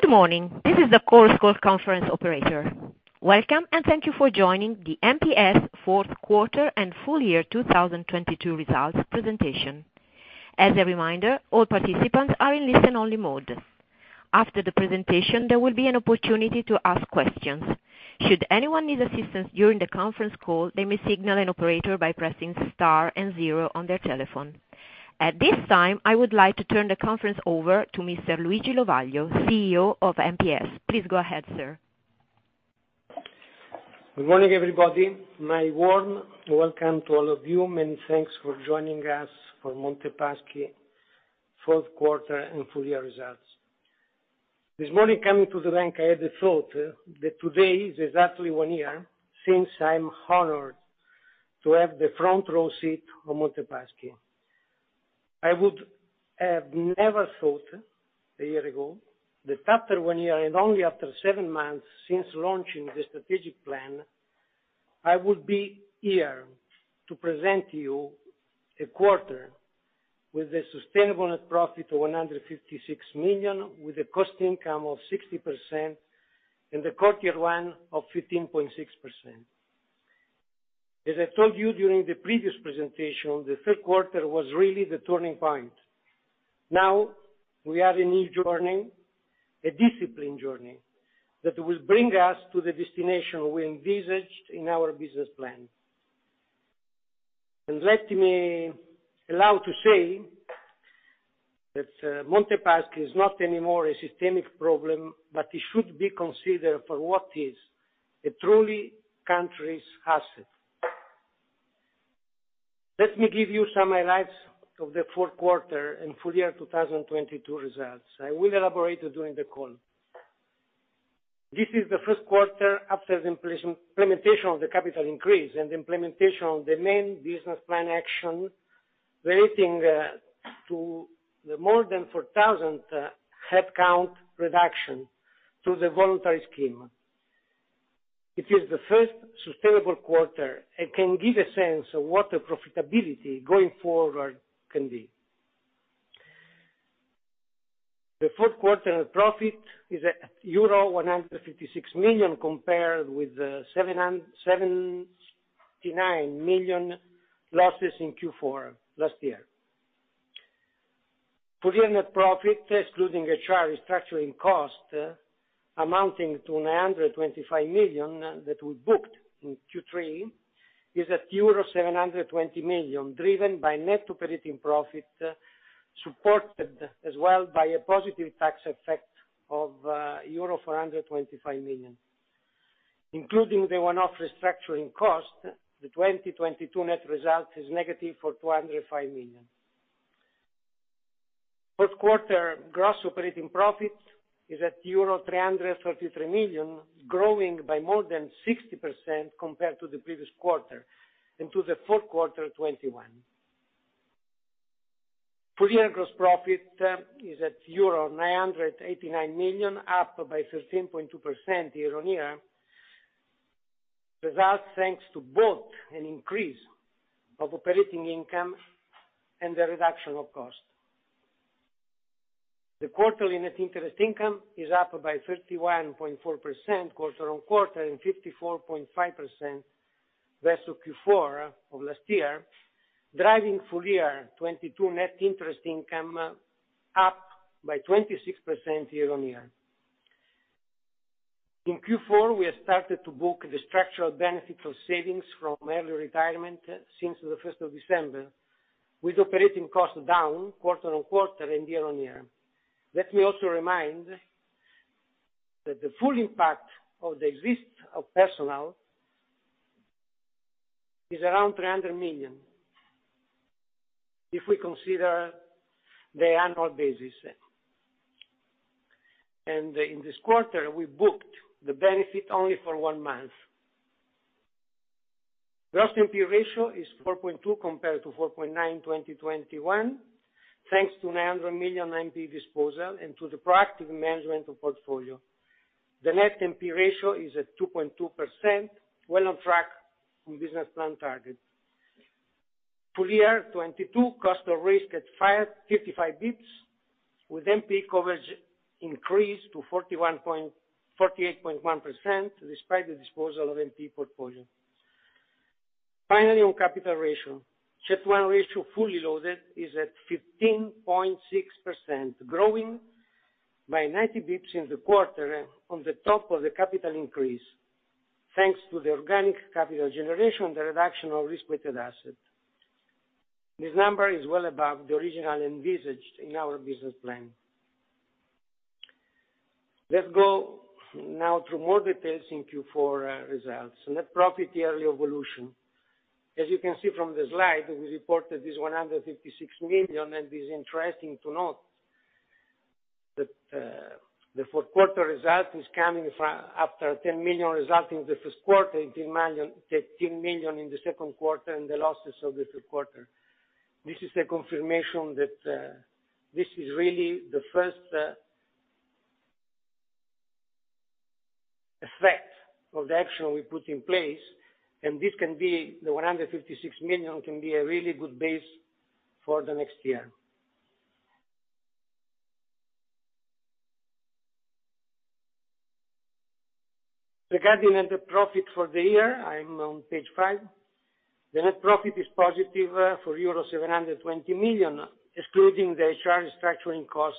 Good morning. This is the Chorus Call Conference operator. Welcome, thank you for joining the MPS fourth quarter and full year 2022 results presentation. As a reminder, all participants are in listen-only mode. After the presentation, there will be an opportunity to ask questions. Should anyone need assistance during the conference call, they may signal an operator by pressing star and 0 on their telephone. At this time, I would like to turn the conference over to Mr. Luigi Lovaglio, CEO of MPS. Please go ahead, sir. Good morning, everybody. My warm welcome to all of you. Many thanks for joining us for Monte Paschi fourth quarter and full year results. This morning, coming to the bank, I had the thought that today is exactly one year since I am honored to have the front row seat of Monte Paschi. I would have never thought a year ago that after one year and only after seven months since launching the strategic plan, I would be here to present to you a quarter with a sustainable net profit of 156 million, with a cost income of 60% and the core Tier 1 of 15.6%. As I told you during the previous presentation, the third quarter was really the turning point. Now we have a new journey, a disciplined journey, that will bring us to the destination we envisaged in our business plan. Let me allow to say that Monte Paschi is not anymore a systemic problem, but it should be considered for what is, a truly country's asset. Let me give you some highlights of the fourth quarter and full year 2022 results. I will elaborate during the call. This is the first quarter after the implementation of the capital increase and the implementation of the main business plan action relating to the more than 4,000 headcount reduction to the voluntary scheme. It is the first sustainable quarter and can give a sense of what the profitability going forward can be. The fourth quarter net profit is at euro 156 million compared with the 79 million losses in Q4 last year. Full year net profit, excluding HR restructuring costs amounting to 925 million that we booked in Q3, is at euro 720 million, driven by net operating profit, supported as well by a positive tax effect of euro 425 million. Including the one-off restructuring cost, the 2022 net result is negative for 205 million. Fourth quarter gross operating profit is at euro 333 million, growing by more than 60% compared to the previous quarter and to the fourth quarter 2021. Full year gross profit is at euro 989 million, up by 13.2% year-on-year. Results thanks to both an increase of operating income and the reduction of costs. The quarterly net interest income is up by 31.4% quarter-on-quarter and 54.5% versus Q4 of last year, driving full year 2022 net interest income up by 26% year-on-year. In Q4, we have started to book the structural benefit of savings from early retirement since the 1st of December, with operating costs down quarter-on-quarter and year-on-year. Let me also remind that the full impact of the exit of personnel is around 300 million, if we consider the annual basis. In this quarter, we booked the benefit only for one month. Gross NPE ratio is 4.2 compared to 4.9 in 2021, thanks to 900 million NPE disposal and to the proactive management of portfolio. The net NPE ratio is at 2.2%, well on track from business plan target. Full year 2022 cost of risk at 55 bps, with NPE coverage increased to 48.1% despite the disposal of NPE portfolio. On capital ratio. CET 1 ratio fully loaded is at 15.6%, growing by 90 bps in the quarter on the top of the capital increase, thanks to the organic capital generation, the reduction of risk-weighted assets. This number is well above the original envisaged in our business plan. Let's go now through more details in Q4 results. Net profit yearly evolution. As you can see from the slide, we reported this 156 million. It is interesting to note that the fourth quarter result is coming from after 10 million result in the first quarter, 13 million in the second quarter and the losses of the third quarter. This is a confirmation that this is really the first Effect of the action we put in place, and this can be, the 156 million can be a really good base for the next year. Regarding net profit for the year, I'm on page 5. The net profit is positive for euro 720 million, excluding the HR restructuring cost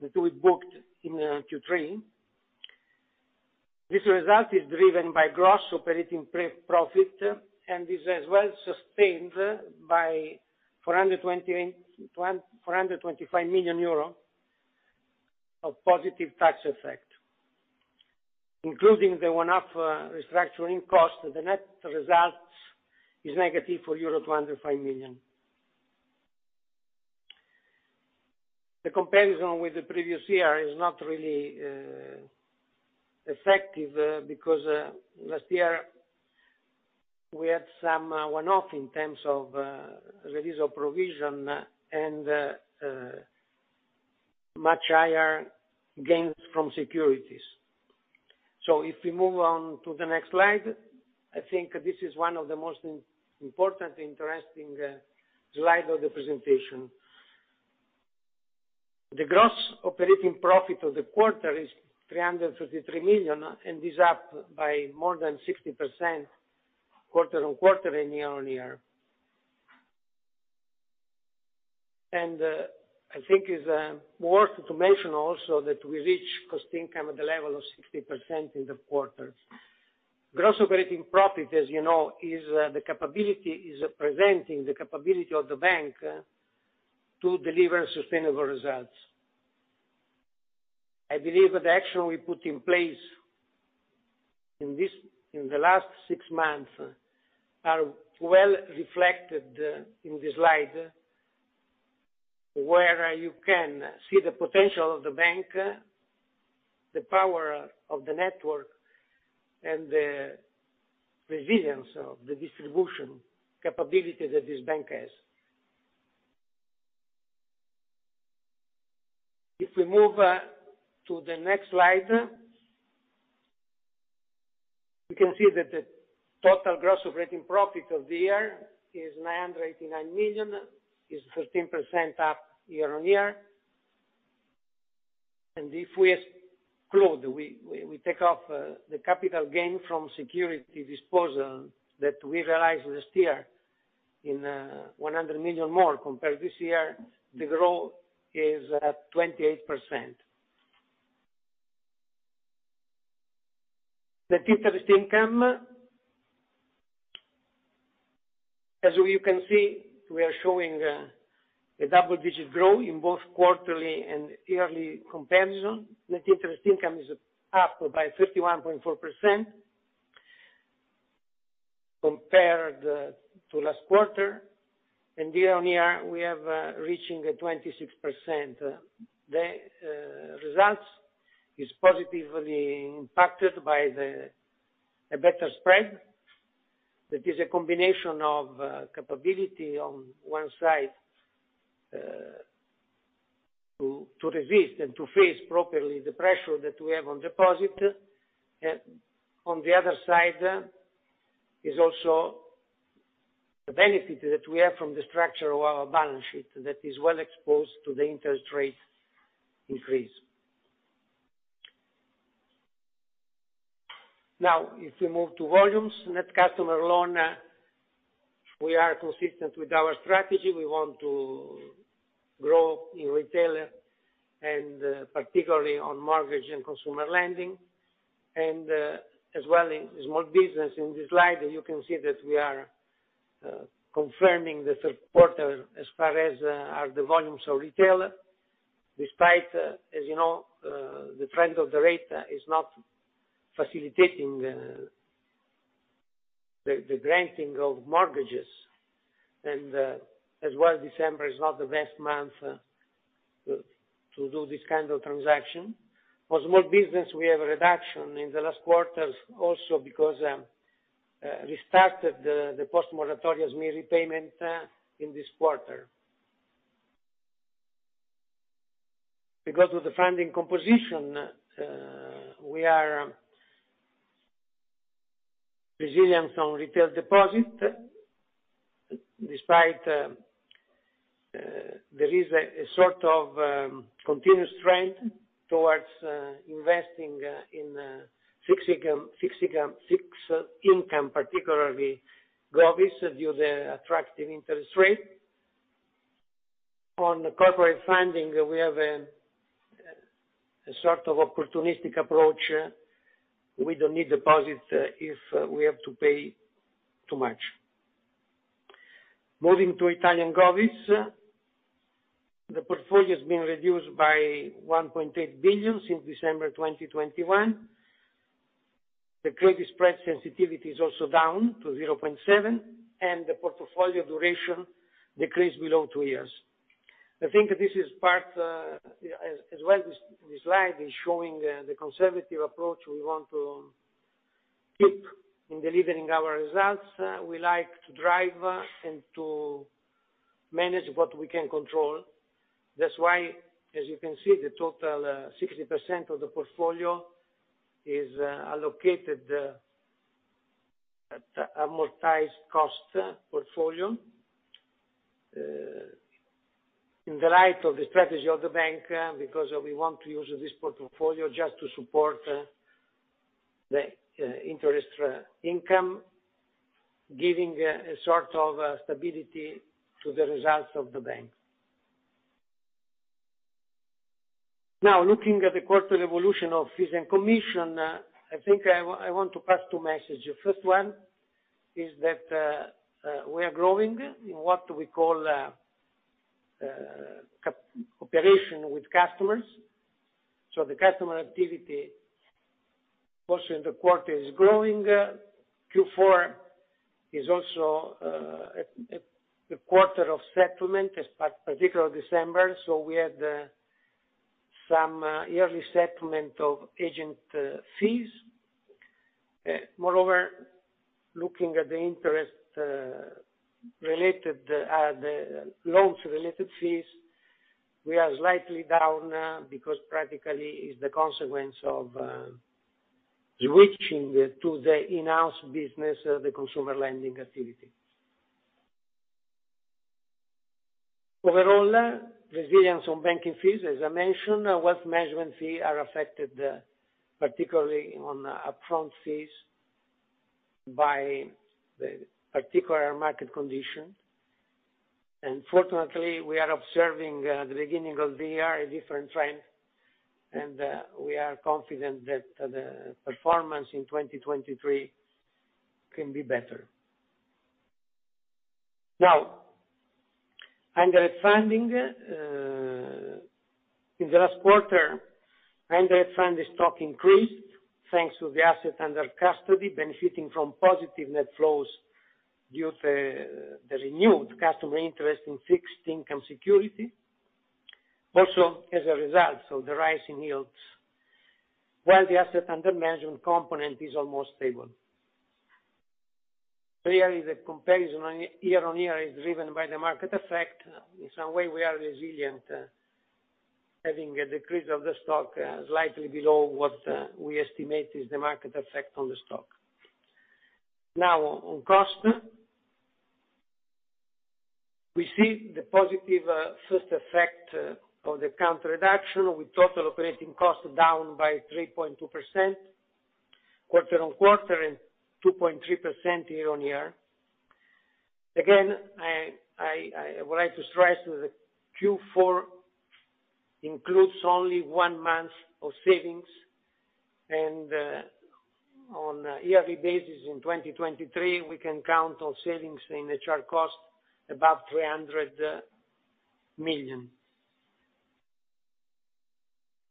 that we booked in Q3. This result is driven by gross operating pre-profit and is as well sustained by 425 million euro of positive tax effect. Including the one-off restructuring cost, the net result is negative for EUR 205 million. The comparison with the previous year is not really effective, because last year we had some one-off in terms of release of provision and much higher gains from securities. If we move on to the next slide, I think this is one of the most important, interesting slide of the presentation. The gross operating profit of the quarter is 353 million, and is up by more than 60% quarter-on-quarter and year-on-year. I think it's worth to mention also that we reached cost income at the level of 60% in the quarter. Gross operating profit, as you know, is representing the capability of the bank to deliver sustainable results. I believe the action we put in place in this, in the last six months are well reflected in the slide, where you can see the potential of the bank, the power of the network, and the resilience of the distribution capabilities that this bank has. If we move to the next slide. We can see that the total gross operating profit of the year is 989 million, is 15% up year-on-year. If we exclude, we take off the capital gain from security disposal that we realized this year in 100 million more compared this year, the growth is at 28%. The net interest income, as you can see, we are showing a double-digit growth in both quarterly and year-over-year comparison. Net interest income is up by 51.4% compared to last quarter. Year-over-year, we have reaching a 26%. The results is positively impacted by a better spread. That is a combination of capability on one side to resist and to face properly the pressure that we have on deposit. On the other side is also the benefit that we have from the structure of our balance sheet that is well exposed to the interest rate increase. Now, if we move to volumes, net customer loan, we are consistent with our strategy. We want to grow in retail and particularly on mortgage and consumer lending, and as well in small business. In this slide, you can see that we are confirming the third quarter as far as are the volumes of retail, despite, as you know, the trend of the rate is not facilitating the granting of mortgages. As well, December is not the best month to do this kind of transaction. For small business we have a reduction in the last quarters also because we started the post-moratoriums repayment in this quarter. Of the funding composition, we are resilient on retail deposit, despite there is a sort of continuous trend towards investing in fixed income, particularly Govies due the attractive interest rate. On the corporate funding, we have a sort of opportunistic approach. We don't need deposits if we have to pay too much. Moving to Italian Govies, the portfolio has been reduced by 1.8 billion since December 2021. The credit spread sensitivity is also down to 0.7, and the portfolio duration decreased below two years. I think this is part as well, this slide is showing the conservative approach we want to keep in delivering our results. We like to drive and to manage what we can control. That's why, as you can see, the total 60% of the portfolio is allocated at amortised cost portfolio. In the light of the strategy of the bank, because we want to use this portfolio just to support the interest income, giving a sort of stability to the results of the bank. Looking at the quarter evolution of fees and commission, I think I want to pass two messages. First one is that we are growing in what we call cooperation with customers. The customer activity also in the quarter is growing. Q4 is also a quarter of settlement, particularly December, so we had some early settlement of agent fees. Moreover, looking at the interest related, the loans related fees, we are slightly down because practically it's the consequence of switching to the enhanced business of the consumer lending activity. Overall, resilience on banking fees, as I mentioned, wealth management fee are affected particularly on upfront fees by the particular market condition. Fortunately, we are observing the beginning of the year a different trend, and we are confident that the performance in 2023 can be better. Now, under funding, in the last quarter, under funded stock increased thanks to the assets under custody, benefiting from positive net flows due to the renewed customer interest in fixed income security. Also, as a result of the rise in yields, while the asset under management component is almost stable. Clearly, the comparison on year-on-year is driven by the market effect. In some way, we are resilient, having a decrease of the stock, slightly below what we estimate is the market effect on the stock. Now on cost. We see the positive first effect of the counter reduction with total operating costs down by 3.2% quarter-on-quarter and 2.3% year-on-year. I would like to stress that Q4 includes only one month of savings. On a yearly basis in 2023, we can count on savings in HR costs above EUR 300 million.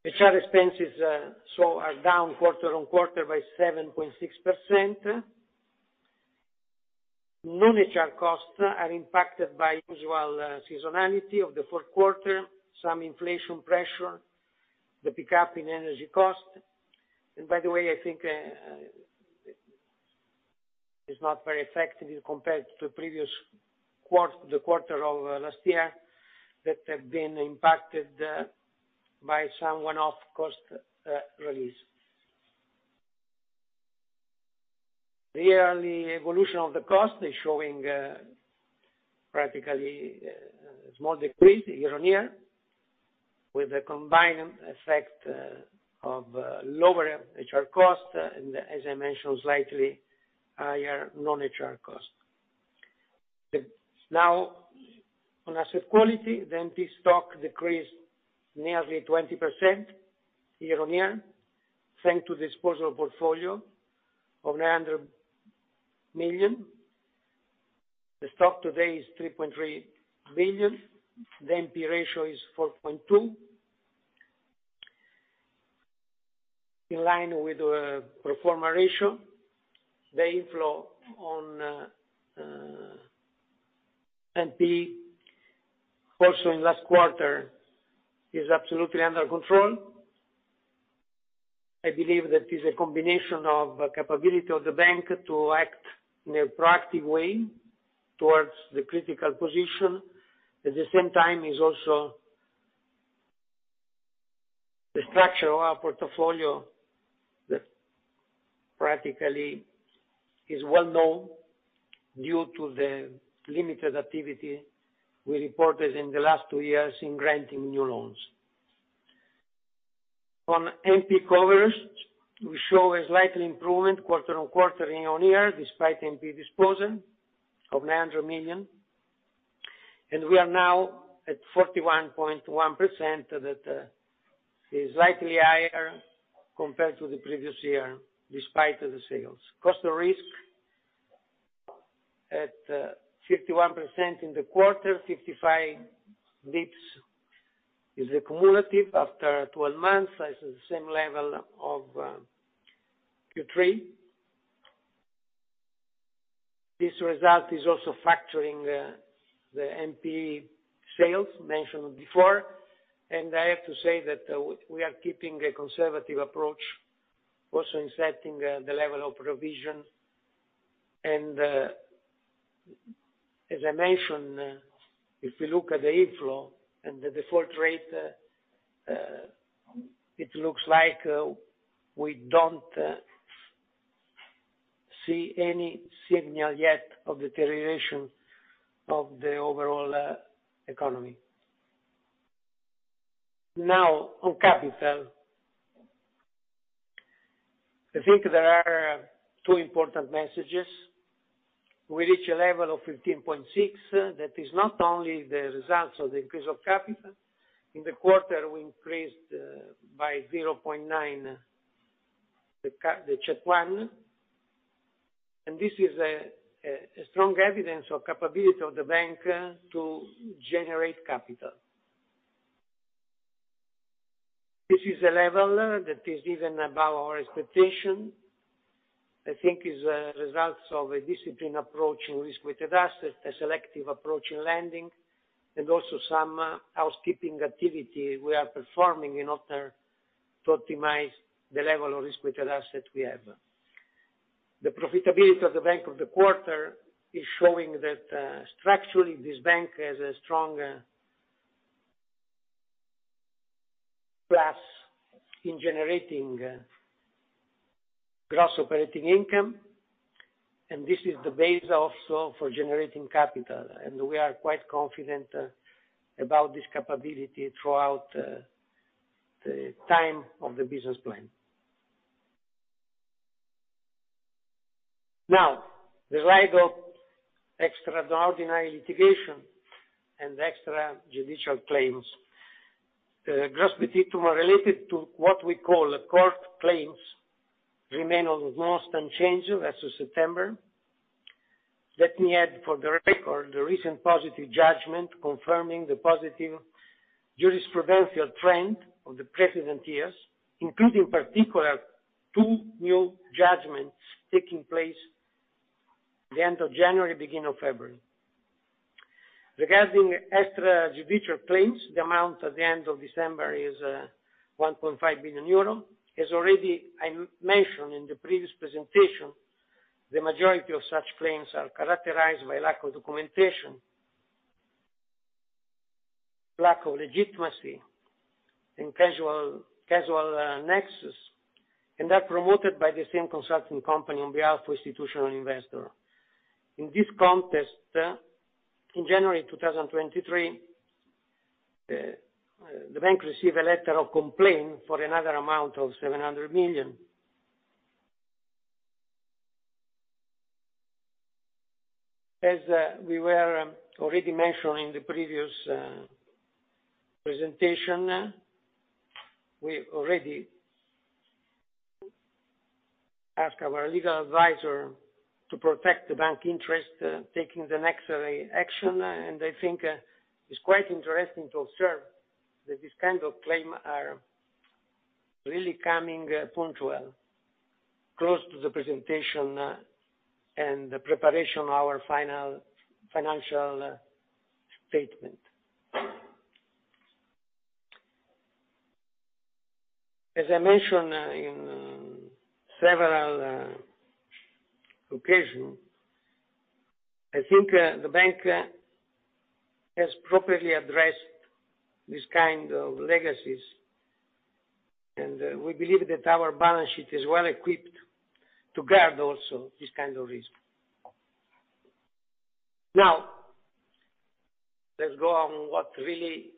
HR expenses, so are down quarter-on-quarter by 7.6%. Non-HR costs are impacted by usual seasonality of the fourth quarter, some inflation pressure, the pickup in energy costs. By the way, I think, is not very effective compared to previous the quarter of last year that have been impacted by some one-off cost release. The yearly evolution of the cost is showing practically a small decrease year-on-year, with a combined effect of lower HR costs and as I mentioned, slightly higher non-HR costs. On asset quality, the NPE stock decreased nearly 20% year-on-year, thanks to disposal portfolio of 900 million. The stock today is 3.3 billion. The NPE ratio is 4.2%. In line with pro forma ratio. The inflow on NPE also in last quarter is absolutely under control. I believe that is a combination of the capability of the bank to act in a proactive way towards the critical position. At the same time, is also the structure of our portfolio that practically is well known due to the limited activity we reported in the last two years in granting new loans. On NP covers, we show a slight improvement quarter-on-quarter, year-on-year, despite NP disposal of 900 million. We are now at 41.1%. That is slightly higher compared to the previous year, despite the sales. Cost of risk at 51% in the quarter. 55 basis points is accumulative after 12 months, as the same level of Q3. This result is also factoring the NPE sales mentioned before. I have to say that we are keeping a conservative approach also in setting the level of provision. As I mentioned, if you look at the inflow and the default rate, it looks like we don't see any signal yet of deterioration of the overall economy. On capital. I think there are two important messages. We reach a level of 15.6. That is not only the results of the increase of capital. In the quarter, we increased by 0.9 the CET1. This is a strong evidence of capability of the bank to generate capital. This is a level that is even above our expectation. I think it's results of a disciplined approach in risk-weighted assets, a selective approach in lending, and also some housekeeping activity we are performing in order to optimize the level of risk-weighted asset we have. The profitability of the bank of the quarter is showing that, structurally, this bank has a strong grasp in generating gross operating income, and this is the base also for generating capital. We are quite confident about this capability throughout the time of the business plan. The rise of extraordinary litigation and the extra-judicial claims. The gross particular related to what we call the court claims remain almost unchanged as of September. Let me add for the record the recent positive judgment confirming the positive jurisprudential trend of the precedent years, including in particular two new judgments taking place the end of January, beginning of February. Regarding extra-judicial claims, the amount at the end of December is 1.5 billion euro. As already I mentioned in the previous presentation, the majority of such claims are characterized by lack of documentation, lack of legitimacy, and casual nexus, are promoted by the same consulting company on behalf of institutional investor. In this context, in January 2023, the bank received a letter of complaint for another amount of 700 million. As we were already mentioning in the previous presentation, we've already asked our legal advisor to protect the bank interest, taking the necessary action. I think it's quite interesting to observe that this kind of claim are really coming punctual close to the presentation and the preparation of our final financial statement. As I mentioned, in several occasions, I think the bank has properly addressed this kind of legacies, and we believe that our balance sheet is well equipped to guard also this kind of risk. Now, let's go on what really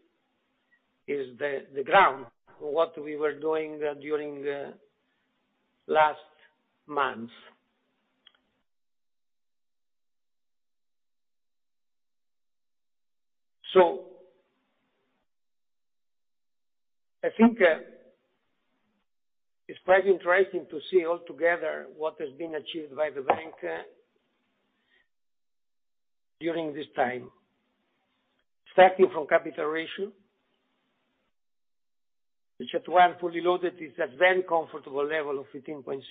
is the ground, what we were doing during the last months. I think it's quite interesting to see altogether what has been achieved by the bank during this time. Starting from capital ratio, CET1 fully loaded is at very comfortable level of 15.6%,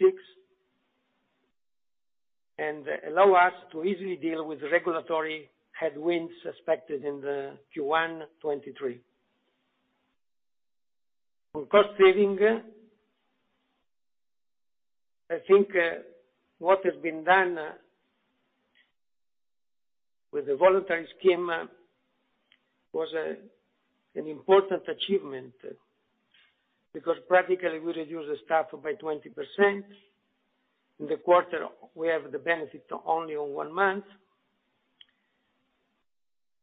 and allow us to easily deal with the regulatory headwinds expected in the Q1 2023. On cost saving, I think what has been done with the voluntary scheme was an important achievement because practically we reduced the staff by 20%. In the quarter, we have the benefit only on one month.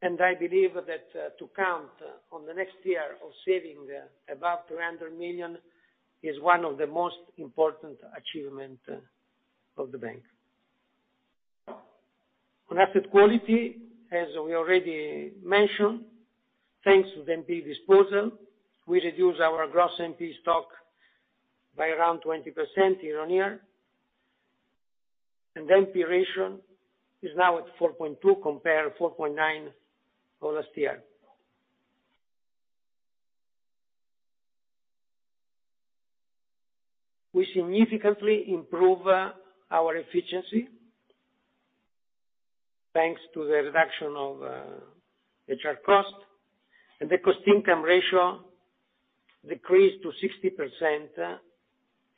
I believe that to count on the next year of saving above 300 million is one of the most important achievement of the bank. On asset quality, as we already mentioned, thanks to the NPE disposal, we reduced our gross NPE stock by around 20% year on year, and the NPE ratio is now at 4.2, compared to 4.9 for last year. We significantly improve our efficiency thanks to the reduction of HR costs, and the cost income ratio decreased to 60%,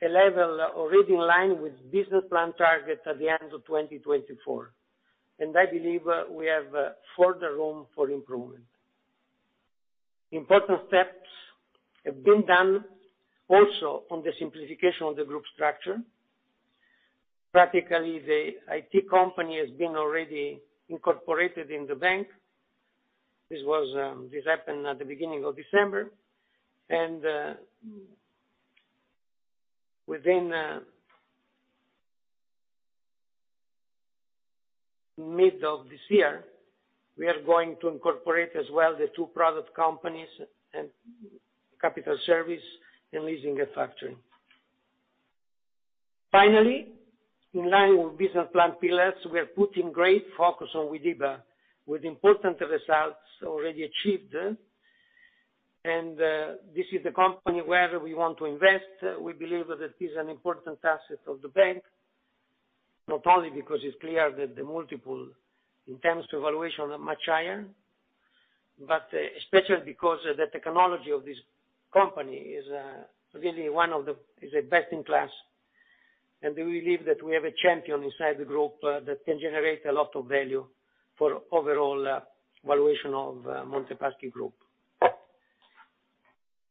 a level already in line with business plan targets at the end of 2024, and I believe we have further room for improvement. Important steps have been done also on the simplification of the group structure. Practically, the IT company has been already incorporated in the bank. This was, this happened at the beginning of December. Within mid of this year, we are going to incorporate as well the two product companies and Capital Services and leasing and factoring. Finally, in line with business plan pillars, we are putting great focus on Widiba, with important results already achieved. This is the company where we want to invest. We believe that this is an important asset of the bank. Not only because it's clear that the multiple in terms of valuation are much higher, but especially because the technology of this company is really one of the is a best in class. We believe that we have a champion inside the group that can generate a lot of value for overall valuation of Monte Paschi group.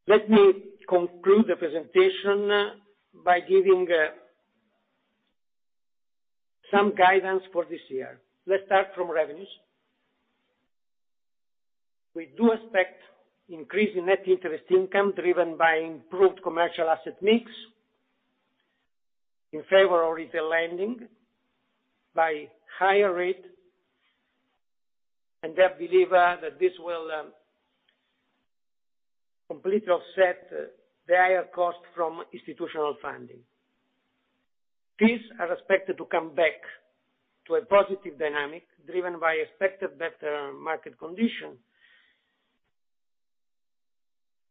Let me conclude the presentation by giving some guidance for this year. Let's start from revenues. We do expect increasing net interest income driven by improved commercial asset mix in favor of retail lending by higher rate. I believe that this will completely offset the higher cost from institutional funding. Fees are expected to come back to a positive dynamic driven by expected better market condition,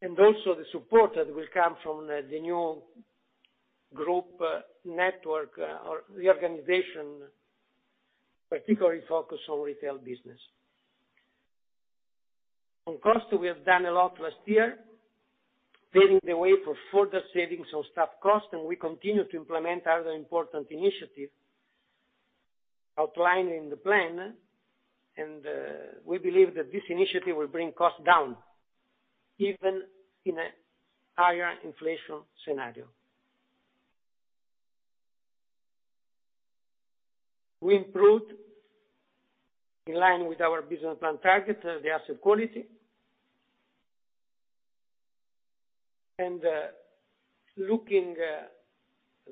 and also the support that will come from the new group network or reorganization, particularly focused on retail business. On cost, we have done a lot last year, paving the way for further savings on staff cost, and we continue to implement other important initiatives outlined in the plan. We believe that this initiative will bring costs down even in a higher inflation scenario. We improved, in line with our business plan target, the asset quality. Looking at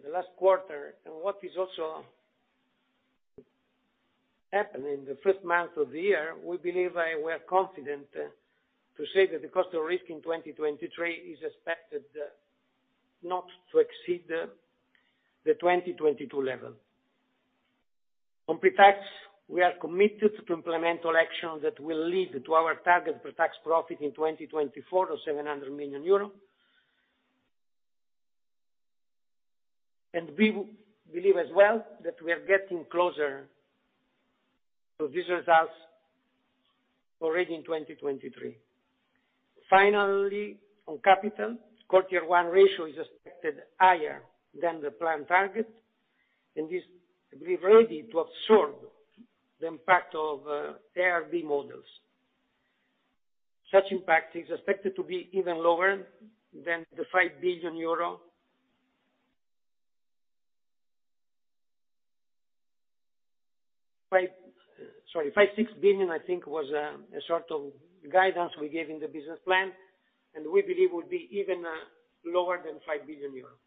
the last quarter and what is also happening in the first month of the year, we believe I were confident to say that the cost of risk in 2023 is expected not to exceed the 2022 level. On pre-tax, we are committed to implement all actions that will lead to our target pre-tax profit in 2024 of 700 million euro. We believe as well that we are getting closer to these results already in 2023. Finally, on capital, quarter one ratio is expected higher than the planned target, and is believed ready to absorb the impact of A-IRB models. Such impact is expected to be even lower than the 5 billion euro. Sorry, 5, 6 billion, I think, was a sort of guidance we gave in the business plan, and we believe would be even lower than 5 billion euros.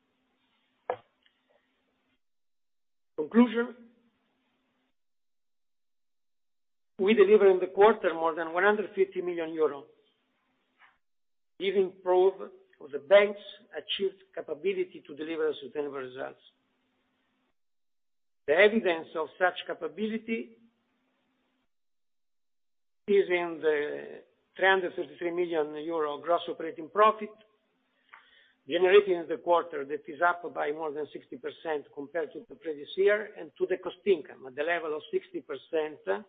We deliver in the quarter more than 150 million euros, giving proof of the bank's achieved capability to deliver sustainable results. The evidence of such capability is in the 353 million euro gross operating profit generated in the quarter, that is up by more than 60% compared to the previous year, and to the cost income at the level of 60%,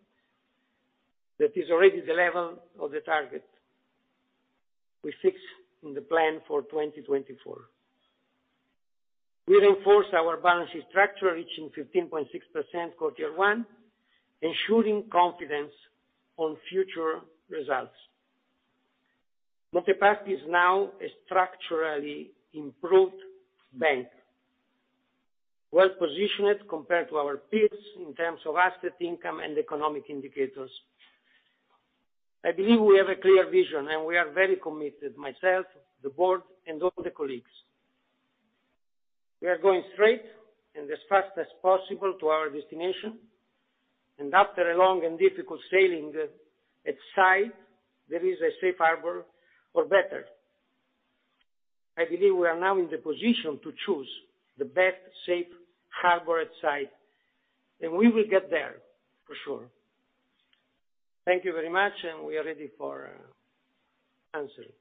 that is already the level of the target we fixed in the plan for 2024. We reinforce our balance sheet structure, reaching 15.6% quarter one, ensuring confidence on future results. Monte Paschi is now a structurally improved bank, well-positioned compared to our peers in terms of asset income and economic indicators. I believe we have a clear vision, and we are very committed, myself, the board, and all the colleagues. We are going straight and as fast as possible to our destination, and after a long and difficult sailing at sight, there is a safe harbor, or better. I believe we are now in the position to choose the best safe harbor at sight, and we will get there for sure. Thank you very much. We are ready for answering.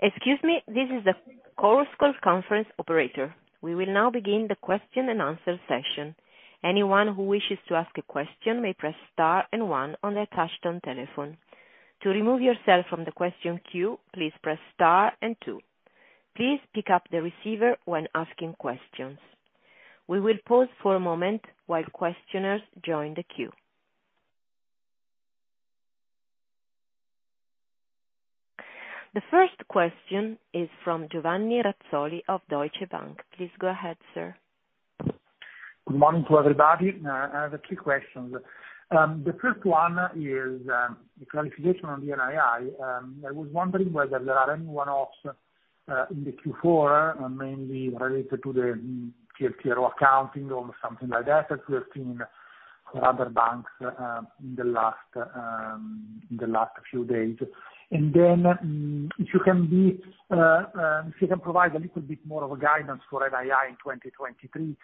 Excuse me, this is the Chorus Call conference operator. We will now begin the question and answer session. Anyone who wishes to ask a question may press star and one on their touchtone telephone. To remove yourself from the question queue, please press star and two. Please pick up the receiver when asking questions. We will pause for a moment while questioners join the queue. The first question is from Giovanni Razzoli of Deutsche Bank. Please go ahead, sir. Good morning to everybody. I have a few questions. The first one is a clarification on the NII. I was wondering whether there are any one-offs in the Q4, mainly related to the TLTRO accounting or something like that, as we have seen for other banks in the last few days. If you can provide a little bit more of a guidance for NII in 2023.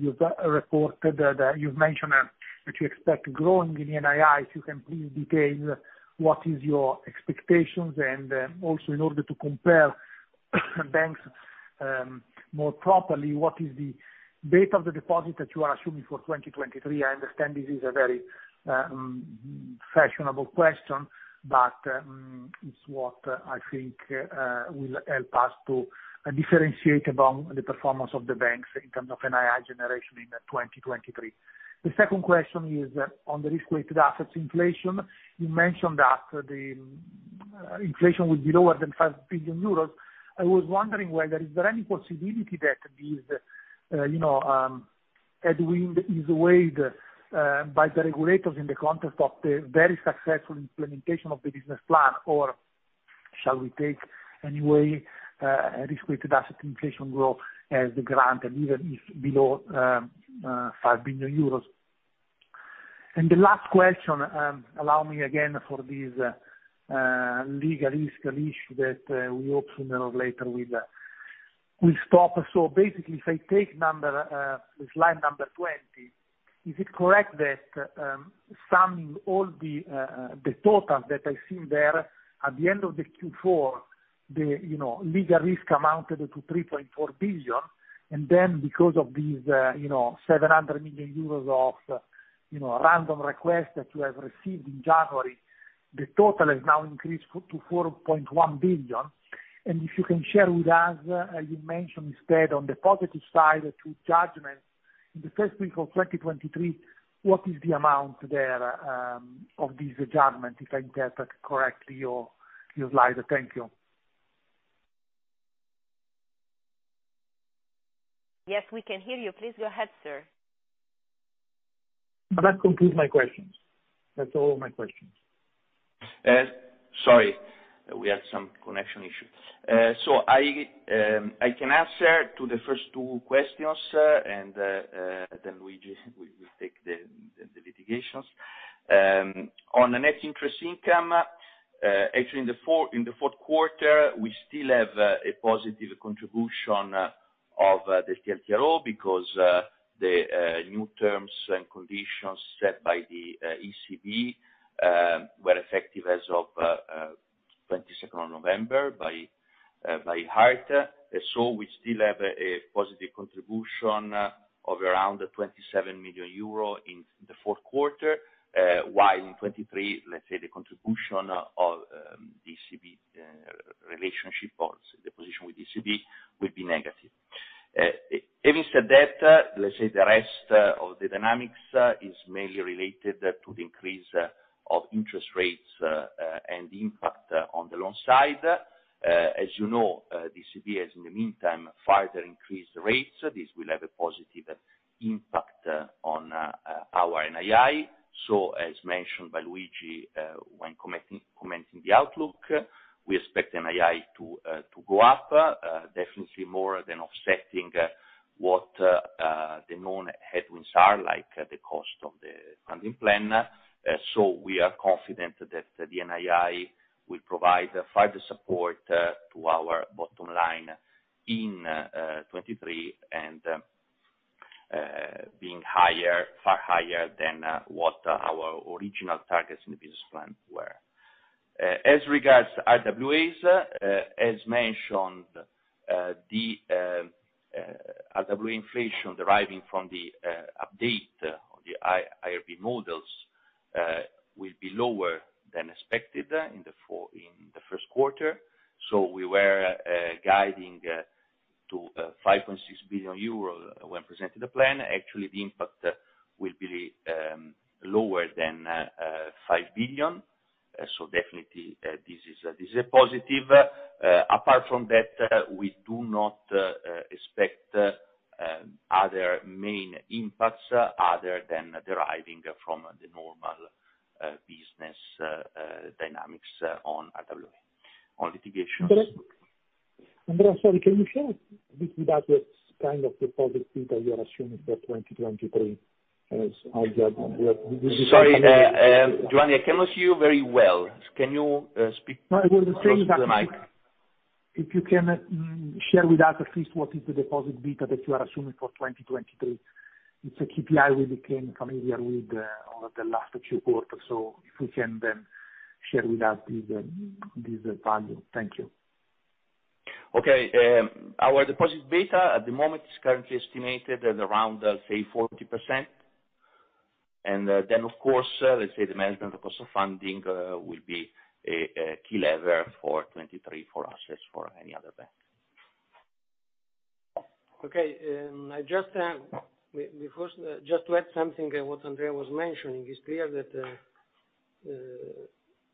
You've reported that, you've mentioned that you expect growing in the NII. If you can please detail what is your expectations and also in order to compare banks more properly, what is the date of the deposit that you are assuming for 2023? I understand this is a very fashionable question, it's what I think will help us to differentiate about the performance of the banks in terms of NII generation in 2023. The second question is on the risk-weighted assets inflation. You mentioned that the inflation will be lower than 5 billion euros. I was wondering whether is there any possibility that these, you know, headwind is waived by the regulators in the context of the very successful implementation of the business plan, or shall we take any way risk-weighted asset inflation grow as the grant and even if below 5 billion euros. The last question, allow me again for this legal risk issue that we hope sooner or later will stop. Basically, if I take slide number 20, is it correct that, summing all the totals that I've seen there at the end of the Q4, the, you know, legal risk amounted to 3.4 billion. Then because of these, you know, 700 million euros of, you know, random requests that you have received in January, the total has now increased to 4.1 billion. If you can share with us, as you mentioned, instead on the positive side, the two judgments in the first week of 2023, what is the amount there, of this judgment, if I interpret correctly your slide? Thank you. Yes, we can hear you. Please go ahead, sir. That concludes my questions. That's all my questions. Sorry, we had some connection issue. I can answer to the first two questions, and then Luigi will take the litigations. On the net interest income, actually, in the fourth quarter, we still have a positive contribution of the TLTRO because the new terms and conditions set by the ECB were effective as of 22nd November by heart. We still have a positive contribution of around 27 million euro in the fourth quarter, while in 2023, let's say the contribution of ECB relationship or the position with ECB will be negative. Having said that, let's say the rest of the dynamics is mainly related to the increase of interest rates and the impact on the loan side. As you know, the ECB has in the meantime further increased rates. This will have a positive impact on our NII. As mentioned by Luigi, when commenting the outlook, we expect NII to go up, definitely more than offsetting what the known headwinds are like the cost of the funding plan. We are confident that the NII will provide further support to our bottom line in 2023 and being higher, far higher than what our original targets in the business plan were. As regards RWAs, as mentioned, the RWA inflation deriving from the update of the A-IRB models, will be lower than expected in the first quarter. We were guiding to 5.6 billion euro when presenting the plan. Actually, the impact will be lower than 5 billion. Definitely, this is a positive. Apart from that, we do not expect other main impacts other than deriving from the normal business dynamics on RWA. On litigations. Andrea, sorry, can you share with us, kind of the positive things that you are assuming for 2023? Sorry, Giovanni, I cannot hear you very well. Can you speak? No, it was the same. Close to the mic. If you can, share with us at least what is the deposit beta that you are assuming for 2023. It's a KPI we became familiar with over the last two quarters. If we can then share with us the value. Thank you. Okay. Our deposit beta at the moment is currently estimated at around, say, 40%. Then, of course, let's say the management of cost of funding will be a key lever for 2023 for us, as for any other bank. Okay. I just, we first, just to add something on what Andrea was mentioning. It's clear that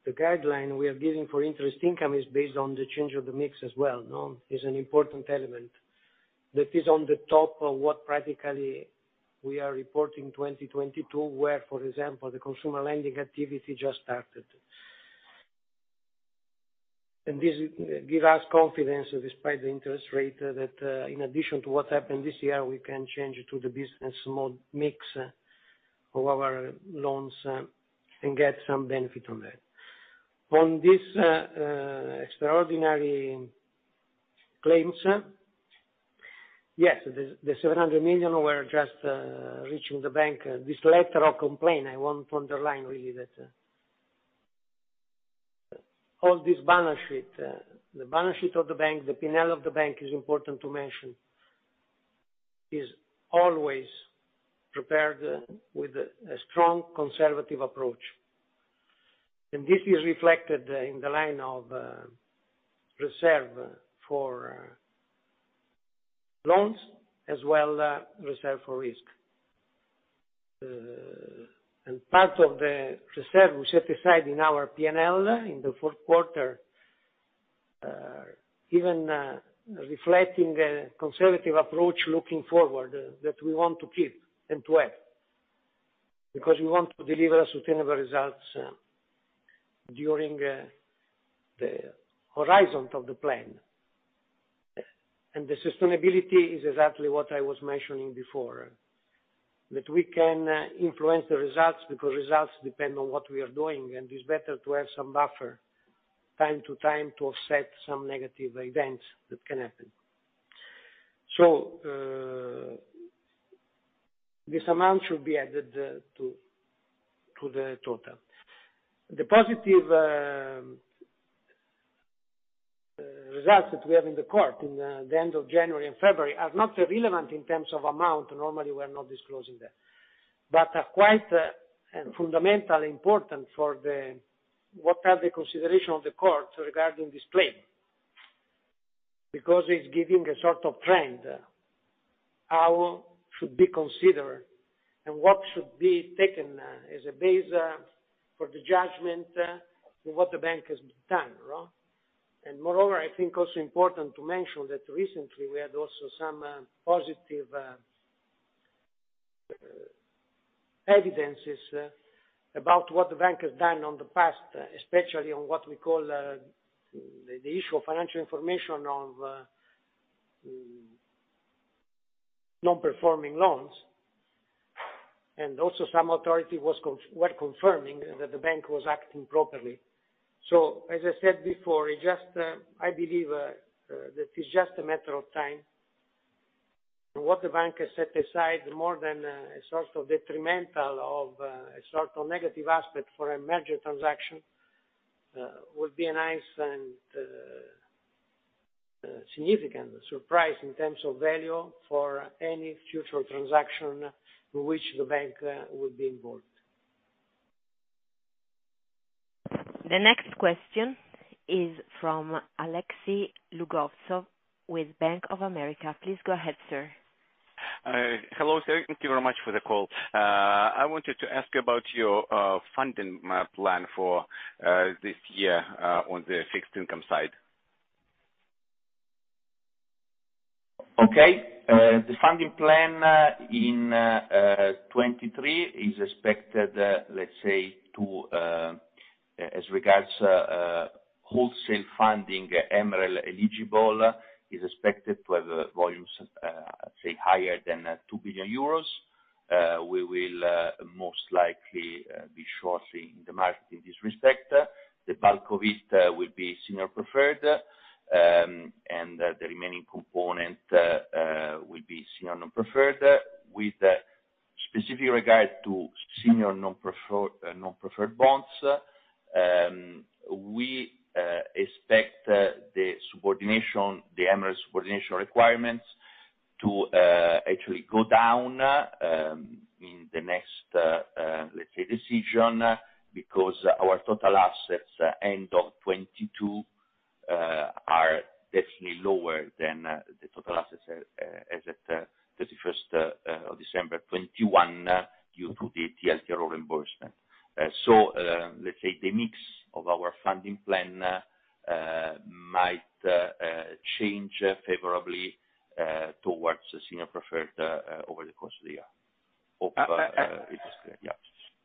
the guideline we are giving for interest income is based on the change of the mix as well, no? Is an important element. That is on the top of what practically we are reporting 2022, where, for example, the consumer lending activity just started. This gives us confidence, despite the interest rate, that in addition to what happened this year, we can change to the business mix of our loans and get some benefit from that. On this, extraordinary claims, yes, the 700 million were just reaching the bank. This letter of complaint, I want to underline really that all this balance sheet. The balance sheet of the bank, the P&L of the bank is important to mention, is always prepared with a strong conservative approach. This is reflected in the line of reserve for loans as well as reserve for risk. Part of the reserve we set aside in our P&L in the fourth quarter, even reflecting a conservative approach looking forward that we want to keep and to have because we want to deliver sustainable results during the horizon of the plan. The sustainability is exactly what I was mentioning before, that we can influence the results because results depend on what we are doing, and it's better to have some buffer time to time to offset some negative events that can happen. This amount should be added to the total. The positive results that we have in the court in the end of January and February are not relevant in terms of amount. Normally, we're not disclosing that, are quite fundamental importance for the what are the consideration of the court regarding this claim. It's giving a sort of trend how should be considered and what should be taken as a base for the judgment for what the bank has done. Moreover, I think also important to mention that recently we had also some positive evidences about what the bank has done on the past, especially on what we call the issue of financial information of non-performing loans. Also some authority were confirming that the bank was acting properly. as I said before, it just, I believe, that it's just a matter of time. What the bank has set aside more than a sort of detrimental of a sort of negative aspect for a merger transaction, would be a nice and significant surprise in terms of value for any future transaction in which the bank will be involved. The next question is from Antonio Reale with Bank of America. Please go ahead, sir. Hello, sir. Thank you very much for the call. I wanted to ask about your funding plan for this year, on the fixed income side. Okay. The funding plan in 23 is expected, let's say to, as regards wholesale funding MREL eligible, is expected to have volumes say higher than 2 billion euros. We will most likely be sourcing the market in this respect. The MREL Vista will be senior preferred, the remaining component will be senior non-preferred. With specific regard to senior non-preferred bonds, we expect the subordination, the MREL subordination requirements to actually go down in the next, let's say decision, because our total assets end of 2022 are definitely lower than the total assets as at 31st of December 2021 due to the TLTRO reimbursement. Let's say the mix of our funding plan might change favorably towards the senior preferred over the course of the year. Hope it is clear. Yeah.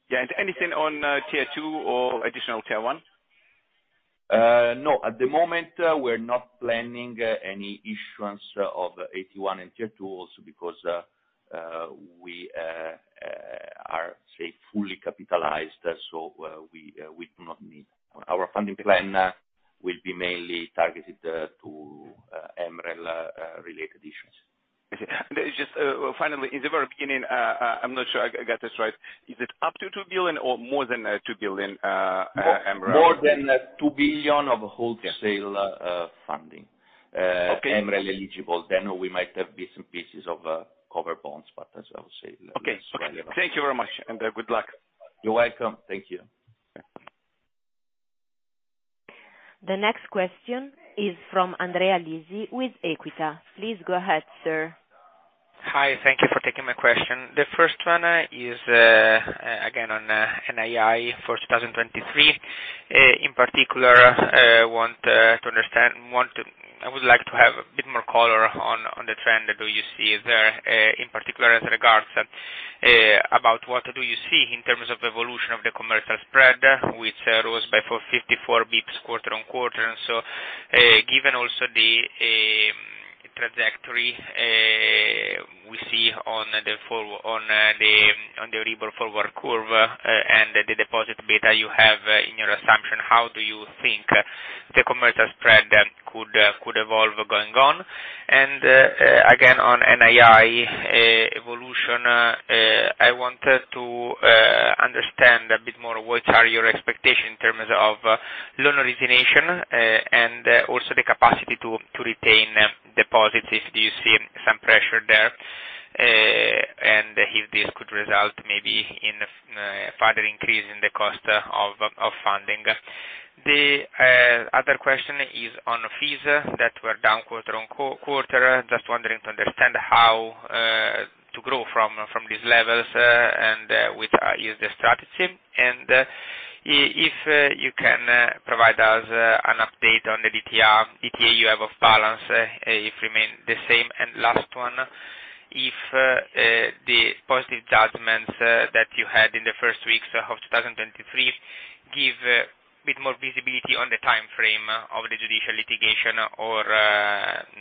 Yeah. Anything on Tier 2 or Additional Tier 1? No. At the moment, we're not planning any issuance of AT1 and Tier 2 also because we are, say, fully capitalized. We do not need. Our funding plan will be mainly targeted to MREL related issues. Okay. Just, finally, in the very beginning, I'm not sure I got this right. Is it up to 2 billion or more than 2 billion MREL? More than 2 billion of wholesale- Yeah. funding. Okay. MREL-eligible. We might have bits and pieces of covered bonds, but as I would say Okay. Okay. Thank you very much, and good luck. You're welcome. Thank you. The next question is from Andrea Lisi with Equita. Please go ahead, sir. Hi, thank you for taking my question. The first one is again on NII for 2023. In particular, I would like to have a bit more color on the trend that you see there, in particular in regards about what do you see in terms of evolution of the commercial spread, which rose by 454 basis points quarter on quarter. Given also the trajectory we see on the forward, on the EURIBOR forward curve, and the deposit beta you have in your assumption, how do you think the commercial spread could evolve going on? Again, on NII evolution, I wanted to understand a bit more what are your expectations in terms of loan origination and also the capacity to retain deposits, if you see some pressure there, and if this could result maybe in a further increase in the cost of funding? The other question is on fees that were down quarter on quarter. Just wondering to understand how to grow from these levels and which is the strategy? If you can provide us an update on the DTL, DTA you have off balance, if remain the same? Last one, if, the positive judgments that you had in the first weeks of 2023 give a bit more visibility on the timeframe of the judicial litigation, or,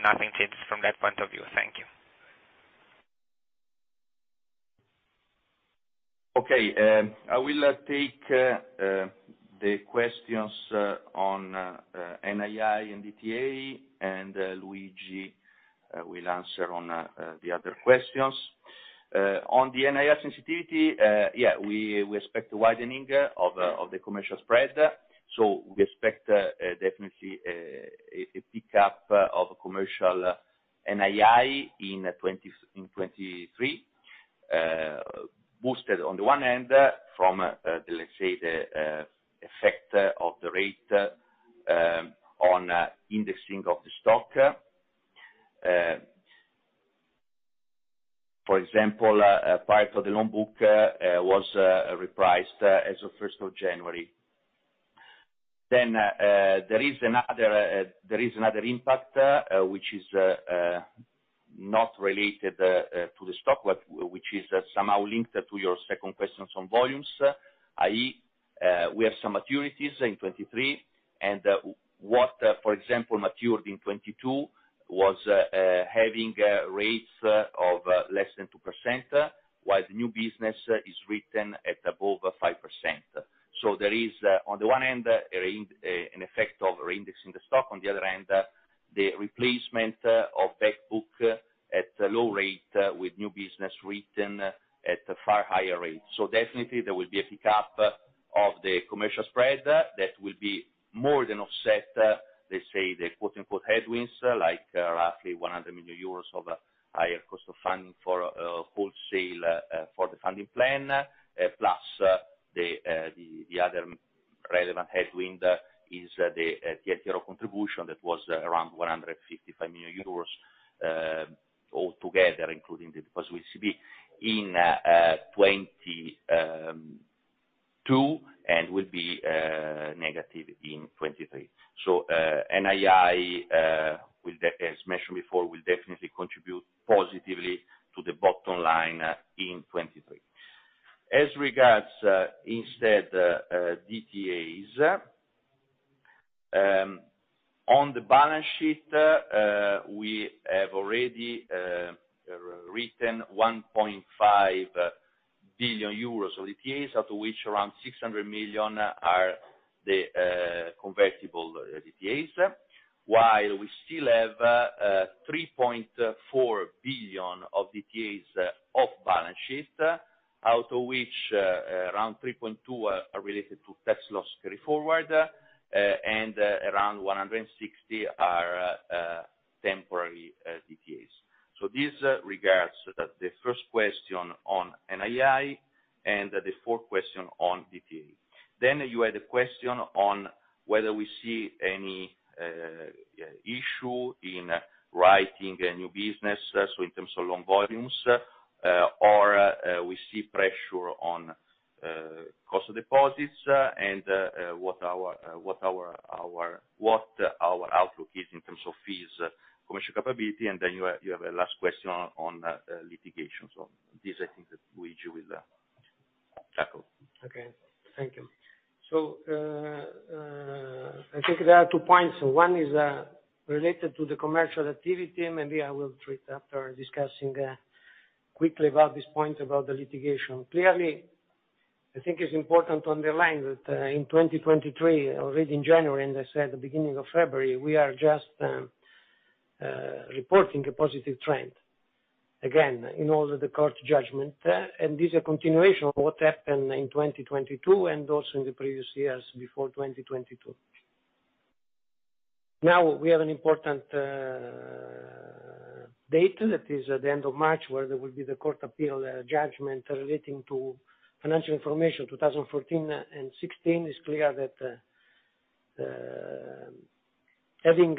nothing changes from that point of view? Thank you. Okay, I will take the questions on NII and DTA, and Luigi will answer on the other questions. On the NII sensitivity, we expect a widening of the commercial spread. We expect definitely a pick up of commercial NII in 2023, boosted on the one hand from let's say the effect of the rate on indexing of the stock. For example, part of the loan book was repriced as of 1st of January. There is another, there is another impact, which is not related to the stock, but which is somehow linked to your second question on volumes, i.e., we have some maturities in 23, and what, for example, matured in 22 was having rates of less than 2%, while the new business is written at above 5%. There is, on the one hand, an effect of re-indexing the stock. On the other hand, the replacement of back book at low rate with new business written at a far higher rate. Definitely there will be a pick up of the commercial spread that will be more than offset, let's say the quote-unquote headwinds, like roughly 100 million euros of higher cost of funding for wholesale for the funding plan, plus the other relevant headwind is the Tier 1 contribution that was around 155 million euros, all together, including the deposit with CB, in 2022 and will be negative in 2023. NII will, as mentioned before, will definitely contribute positively to the bottom line in 2023. As regards, instead, DTAs, on the balance sheet, we have already written 1.5 billion euros of DTAs, out of which around 600 million are the convertible DTAs, while we still have 3.4 billion of DTAs off balance sheet, out of which around 3.2 billion are related to tax loss carryforward, and around 160 million are temporary DTAs. These regards to the first question on NII and the fourth question on DTA. You had a question on whether we see any issue in writing a new business, so in terms of loan volumes, or we see pressure on cost of deposits and what our outlook is in terms of fees, commercial capability. You have a last question on litigation. This I think that Luigi will. Okay. Thank you. I think there are two points. One is related to the commercial activity. Maybe I will treat after discussing quickly about this point, about the litigation. I think it's important to underline that in 2023, already in January, and I said the beginning of February, we are just reporting a positive trend, again, in all of the court judgment. This is a continuation of what happened in 2022 and also in the previous years before 2022. We have an important date. That is at the end of March, where there will be the court appeal judgment relating to financial information. 2014 and 2016 is clear that, having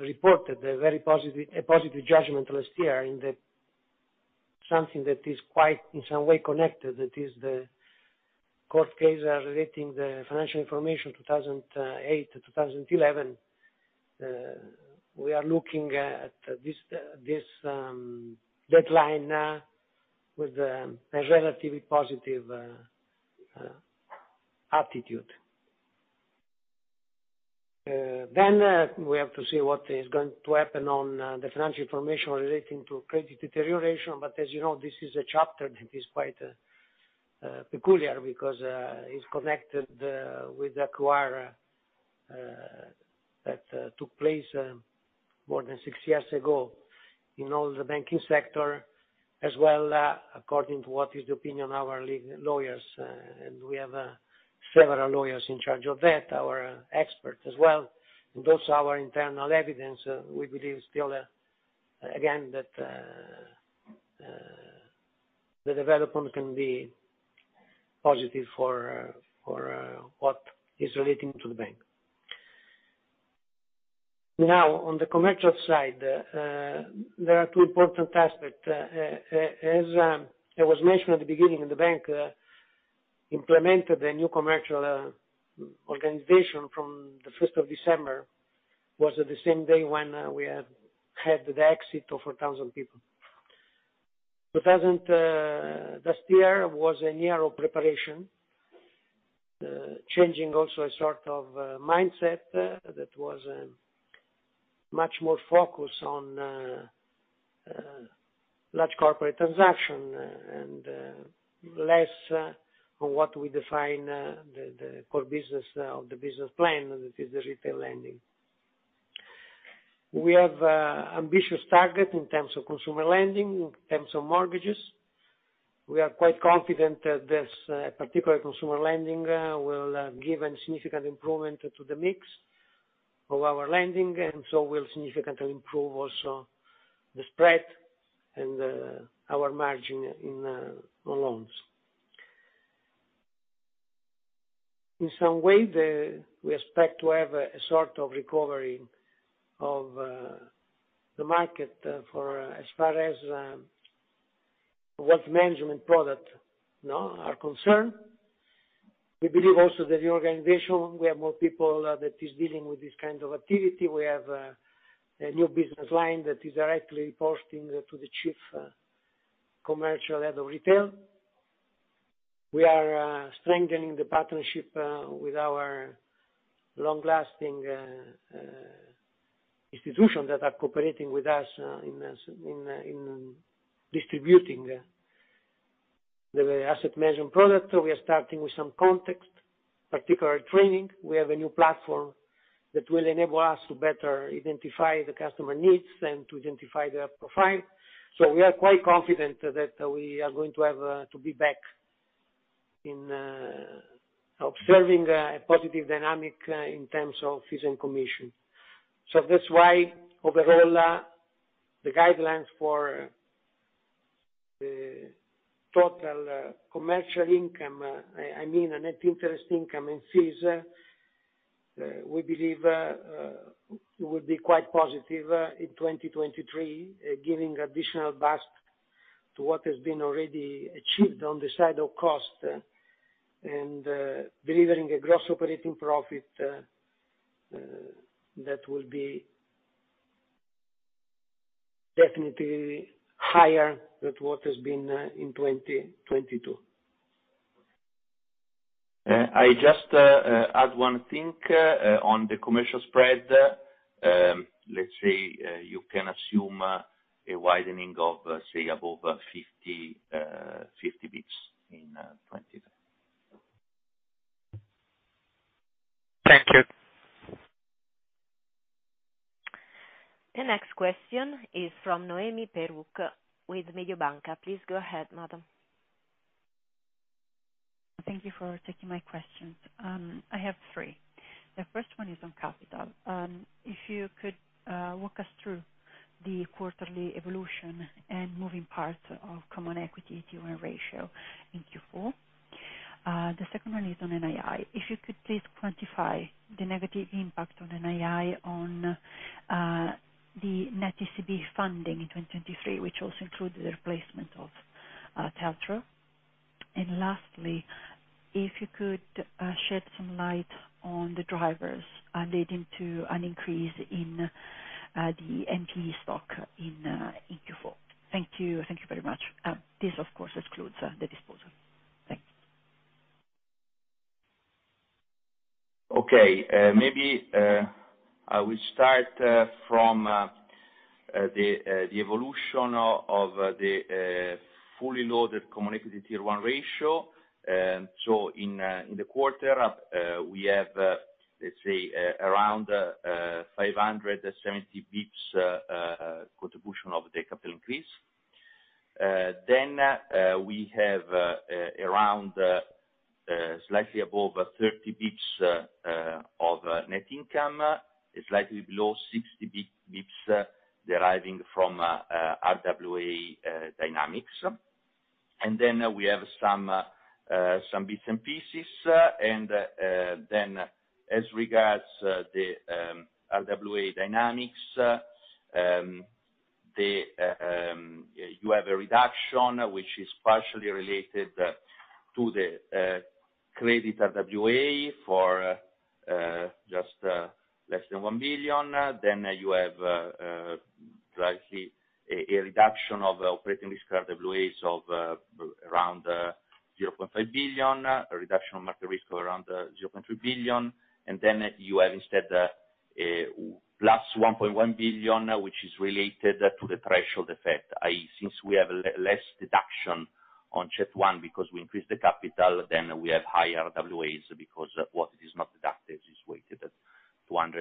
reported a very positive judgment last year in that something that is quite, in some way connected, that is the court case relating the financial information 2008-2011. We are looking at this deadline with a relatively positive aptitude. We have to see what is going to happen on the financial information relating to credit deterioration. As you know, this is a chapter that is quite peculiar because it's connected with acquire that took place more than six years ago in all the banking sector, as well, according to what is the opinion of our lawyers, and we have several lawyers in charge of that, our experts as well. Also our internal evidence, we believe still again, that the development can be positive for for what is relating to the bank. On the commercial side, there are two important aspects. As it was mentioned at the beginning of the bank, implemented a new commercial organization from the fifth of December. Was it the same day when we had the exit of 1,000 people? 2000, last year was a year of preparation. Changing also a sort of mindset that was much more focused on large corporate transaction and less on what we define the core business of the business plan, that is the retail lending. We have ambitious target in terms of consumer lending, in terms of mortgages. We are quite confident that this particular consumer lending will give a significant improvement to the mix of our lending, will significantly improve also the spread and our margin on loans. In some way, we expect to have a sort of recovery of the market for as far as wealth management product, you know, are concerned. We believe also the reorganization, we have more people that is dealing with this kind of activity. We have a new business line that is directly reporting to the Chief Commercial Head of Retail. We are strengthening the partnership with our long-lasting institutions that are cooperating with us in distributing the asset management product. We are starting with some context, particular training. We have a new platform that will enable us to better identify the customer needs and to identify their profile. We are quite confident that we are going to have to be back in observing a positive dynamic in terms of fees and commission. That's why overall, the guidelines for the total commercial income, I mean, net interest income in fees, we believe it would be quite positive in 2023, giving additional bust to what has been already achieved on the side of cost, and delivering a gross operating profit that will be definitely higher than what has been in 2022. I just add 1 thing on the commercial spread. Let's say you can assume a widening of, say above 50 bps in 20. Thank you. The next question is from Noemi Peruch with Mediobanca. Please go ahead, madam. Thank you for taking my questions. I have three. The first one is on capital. If you could walk us through the quarterly evolution and moving parts of Common Equity Tier 1 ratio in Q4. The second one is on NII. If you could please quantify the negative impact on NII on the net ECB funding in 2023, which also includes the replacement of TLTRO. Lastly, if you could shed some light on the drivers leading to an increase in the NPE stock in Q4. Thank you very much. This of course excludes the disposal. Thanks. Okay. Maybe I will start from the evolution of the fully loaded common equity Tier 1 ratio. In the quarter, we have, let's say around 570 basis points contribution of the capital increase. We have around slightly above 30 basis points of net income, slightly below 60 basis points deriving from RWA dynamics. We have some bits and pieces. As regards the RWA dynamics, you have a reduction which is partially related to the credit RWA for just less than 1 billion. You have slightly a reduction of operational risk RWAs of around 0.5 billion, a reduction of market risk of around 0.2 billion. You have instead + 1.1 billion, which is related to the threshold effect, i.e., since we have less deduction on CET1 because we increased the capital, then we have higher RWAs because what is not deducted is weighted at 250%.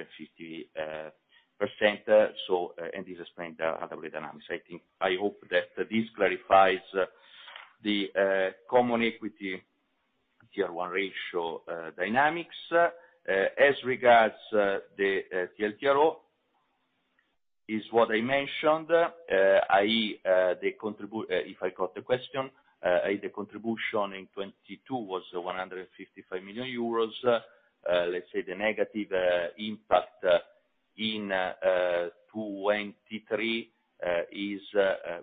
This explain the RWA dynamics. I think... I hope that this clarifies the common equity tier one ratio dynamics. As regards the TLTRO, is what I mentioned, i.e., the contrib... If I caught the question, i.e., the contribution in 2022 was 155 million euros. Let's say the negative impact in 2023 is,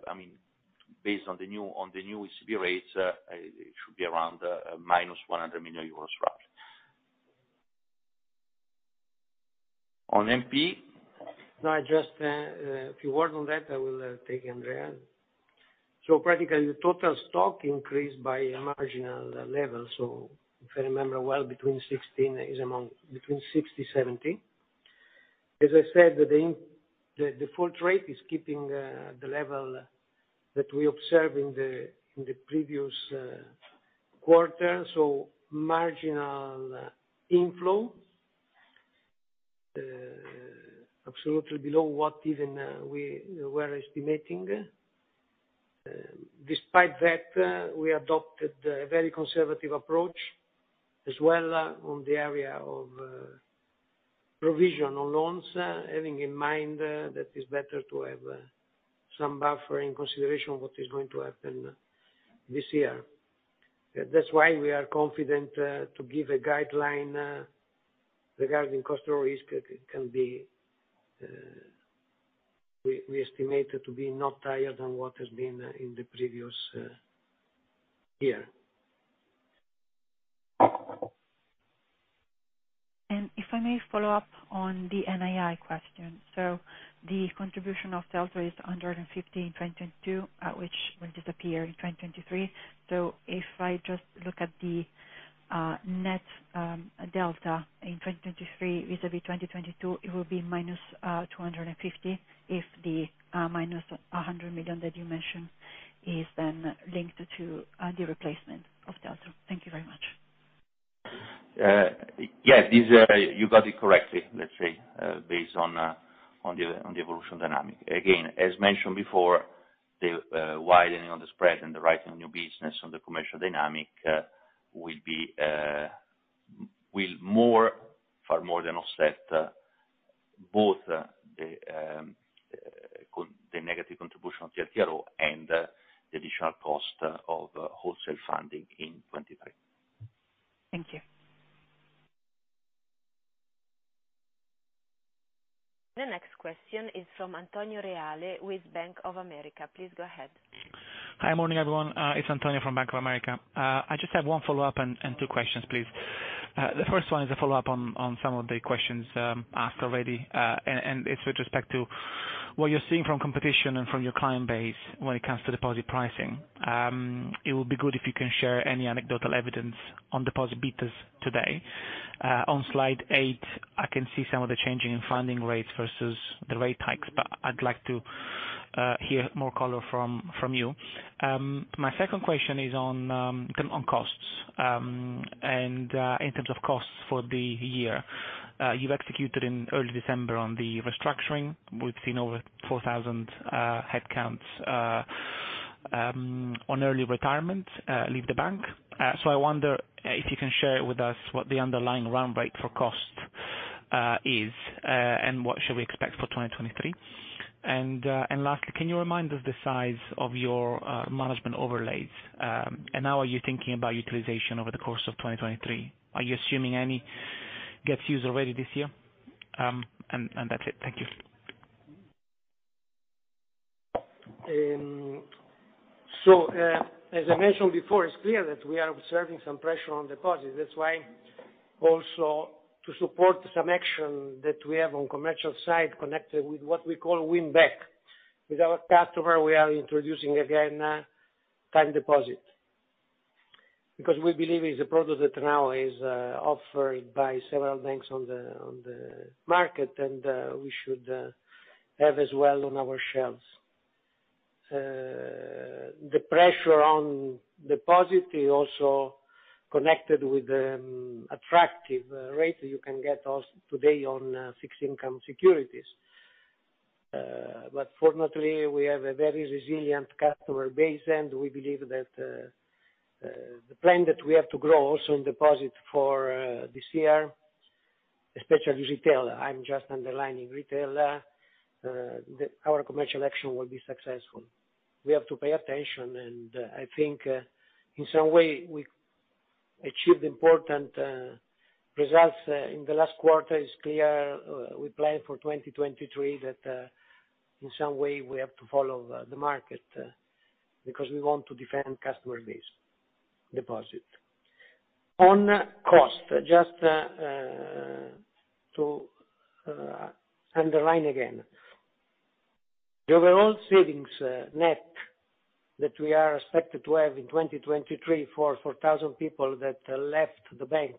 I mean, based on the new, on the new ECB rates, it should be around - 100 million euros roughly. On NP- No, just, if you work on that, I will take Andrea. Practically, the total stock increased by a marginal level. If I remember well, between 16 is among, between 60, 70. As I said, the default rate is keeping the level that we observe in the previous quarter. Marginal inflow, absolutely below what even we were estimating. Despite that, we adopted a very conservative approach as well on the area of provision on loans, having in mind that it's better to have some buffer in consideration of what is going to happen this year. That's why we are confident to give a guideline regarding customer risk. It can be, we estimate it to be not higher than what has been in the previous year. If I may follow up on the NII question. The contribution of Delta is under 50 million in 2022, which will disappear in 2023. If I just look at the net delta in 2023 vis-a-vis 2022, it will be minus 250 million if the minus 100 million that you mentioned is then linked to the replacement of Delta. Thank you very much. Yes, this, you got it correctly, let's say, based on the evolution dynamic. Again, as mentioned before, the widening of the spread and the rising new business on the commercial dynamic will more, far more than offset both the negative contribution of TLTRO and the additional cost of wholesale funding in 2023. Thank you. The next question is from Antonio Reale with Bank of America. Please go ahead. Hi. Morning, everyone. It's Antonio from Bank of America. I just have one follow-up and two questions, please. The first one is a follow-up on some of the questions asked already. It's with respect to what you're seeing from competition and from your client base when it comes to deposit pricing. It would be good if you can share any anecdotal evidence on deposit betas today. On slide 8, I can see some of the changing in funding rates versus the rate hikes, but I'd like to hear more color from you. My second question is on costs. In terms of costs for the year, you've executed in early December on the restructuring. We've seen over 4,000 headcounts on early retirement leave the bank. I wonder if you can share with us what the underlying run rate for cost is, and what should we expect for 2023. Lastly, can you remind us the size of your management overlays, and how are you thinking about utilization over the course of 2023? Are you assuming any gets used already this year? That's it. Thank you. As I mentioned before, it's clear that we are observing some pressure on deposits. That's why also to support some action that we have on commercial side connected with what we call win back. With our customer, we are introducing again time deposit. Because we believe it's a product that now is offered by several banks on the market, and we should have as well on our shelves. The pressure on deposit is also connected with the attractive rate you can get today on fixed income securities. Fortunately, we have a very resilient customer base, and we believe that the plan that we have to grow also in deposit for this year, especially retail. I'm just underlining retail. Our commercial action will be successful. We have to pay attention and I think in some way we achieved important results in the last quarter. It's clear we plan for 2023 that in some way we have to follow the market because we want to defend customer base deposit. On cost, just to underline again. The overall savings net that we are expected to have in 2023 for 4,000 people that left the bank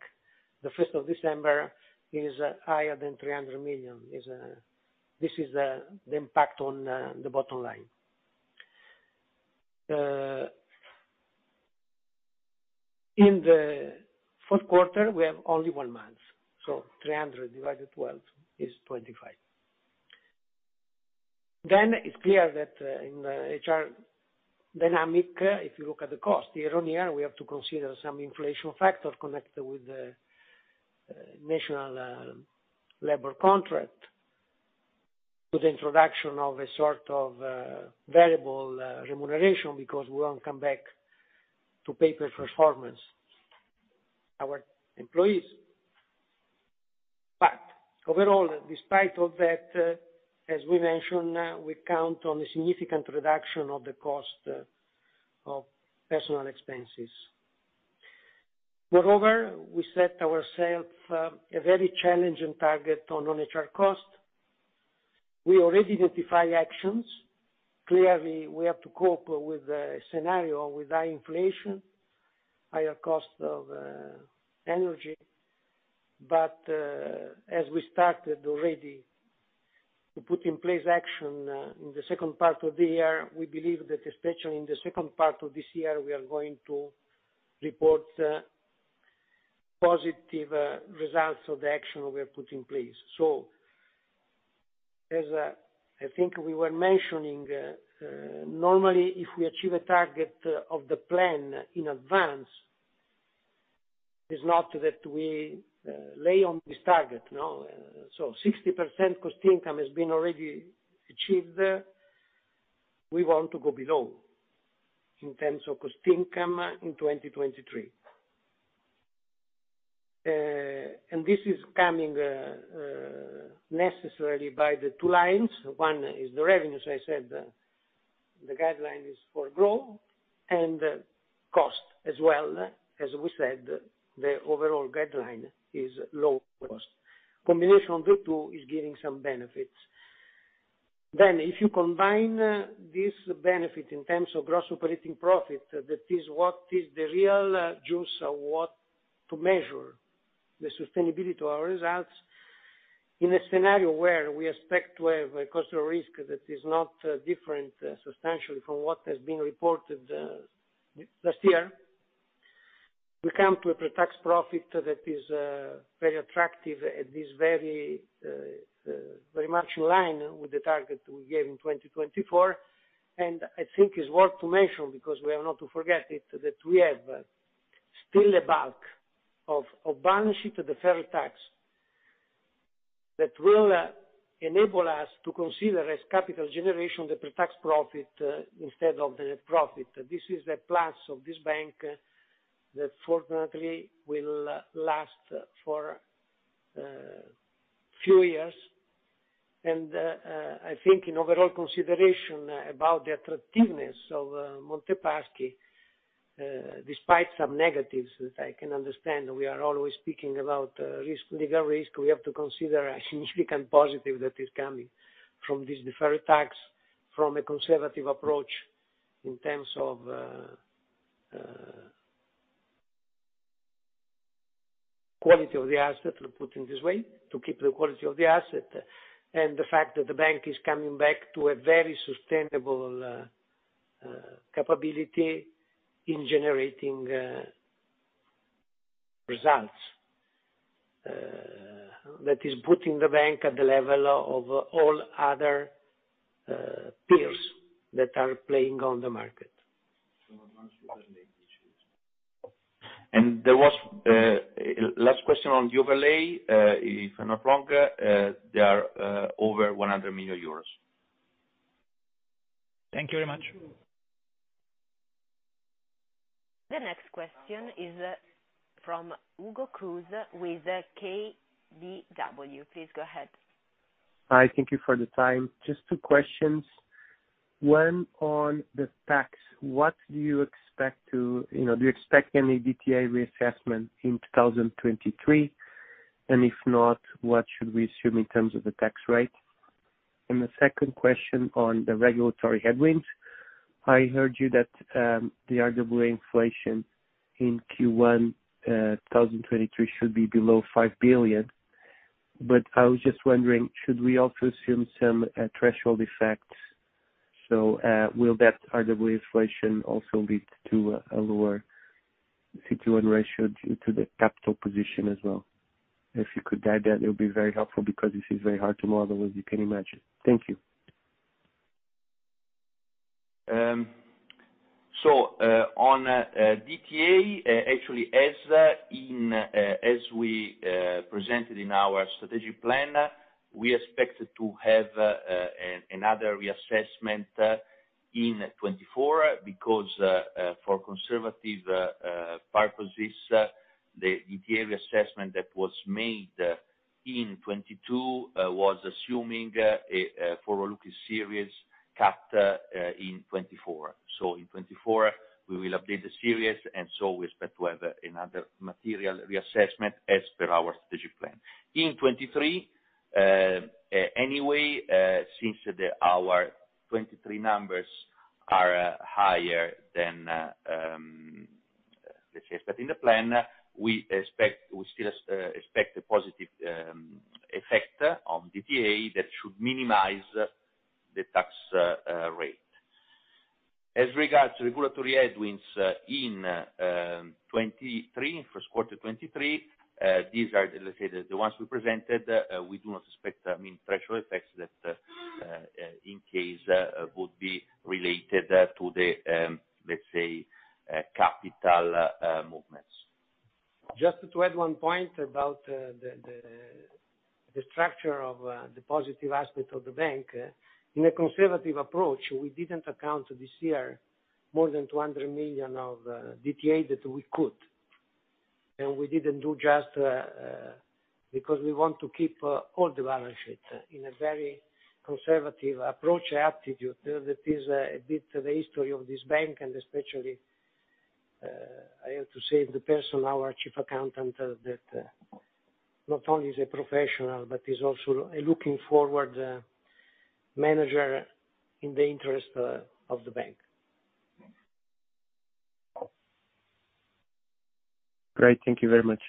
the fifth of December is higher than 300 million. This is the impact on the bottom line. In the fourth quarter, we have only one month, so 300 million divided by 12 is 25 million. It's clear that in the HR dynamic, if you look at the cost year-over-year, we have to consider some inflation factors connected with the national labor contract. With introduction of a sort of variable remuneration because we won't come back to pay for performance our employees. Overall, despite all that, as we mentioned, we count on a significant reduction of the cost of personal expenses. Moreover, we set ourself a very challenging target on HR cost. We already identify actions. Clearly, we have to cope with the scenario with high inflation, higher cost of energy. As we started already to put in place action in the second part of the year, we believe that especially in the second part of this year, we are going to report positive results of the action we have put in place. As I think we were mentioning, normally if we achieve a target of the plan in advance, is not that we lay on this target, no. 60% cost income has been already achieved. We want to go below in terms of cost income in 2023. And this is coming necessarily by the two lines. One is the revenue, as I said, the guideline is for growth and cost as well. As we said, the overall guideline is low cost. Combination of the two is giving some benefits. If you combine this benefit in terms of gross operating profit, that is what is the real juice of what to measure the sustainability of our results. In a scenario where we expect to have a cost of risk that is not different substantially from what has been reported last year, we come to a pre-tax profit that is very attractive and is very much in line with the target we gave in 2024. I think it's worth to mention, because we are not to forget it, that we have still a bulk of balance sheet to defer tax that will enable us to consider as capital generation, the pre-tax profit instead of the net profit. This is the plus of this bank that fortunately will last for few years. I think in overall consideration about the attractiveness of Monte Paschi, despite some negatives that I can understand, we are always speaking about risk, legal risk. We have to consider a significant positive that is coming from this deferred tax, from a conservative approach in terms of quality of the asset, we put it this way, to keep the quality of the asset, and the fact that the bank is coming back to a very sustainable capability in generating results. That is putting the bank at the level of all other peers that are playing on the market. There was last question on the overlay. If not longer, there are over 100 million euros. Thank you very much. The next question is from Hugo Cruz with KBW. Please go ahead. Hi. Thank you for the time. Just two questions. One on the tax. You know, do you expect any DTA reassessment in 2023? If not, what should we assume in terms of the tax rate? The second question on the regulatory headwinds. I heard you that the RWA inflation in Q1 2023 should be below 5 billion. I was just wondering, should we also assume some threshold effects? Will that RWA inflation also lead to a lower CT1 ratio due to the capital position as well? If you could guide that, it would be very helpful because this is very hard to model as you can imagine. Thank you. On DTA, actually as we presented in our strategic plan, we expect to have another reassessment in 2024 because for conservative purposes, the DTA reassessment that was made in 2022 was assuming a forward-looking EURIBOR cap in 2024. In 2024 we will update the series and so we expect to have another material reassessment as per our strategic plan. In 2023, anyway, since our 2023 numbers are higher than, let's say, set in the plan, we still expect a positive effect on DTA that should minimize the tax rate. As regards to regulatory headwinds in 2023, first quarter 2023, these are, let's say, the ones we presented. We do not expect, I mean, threshold effects that, in case, would be related to the, let's say, capital movements. Just to add one point about the structure of the positive aspect of the bank. In a conservative approach, we didn't account this year more than 200 million of DTA that we could. we didn't do just because we want to keep all the balance sheet in a very conservative approach aptitude. That is a bit the history of this bank and especially, I have to say the person, our chief accountant, that not only is a professional, but is also looking forward manager in the interest of the bank. Great. Thank you very much.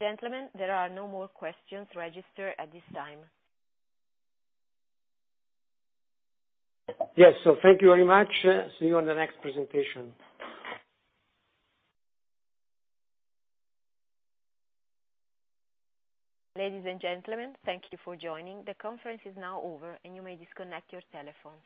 Gentlemen, there are no more questions registered at this time. Yes. Thank you very much. See you on the next presentation. Ladies and gentlemen, thank you for joining. The conference is now over, and you may disconnect your telephones.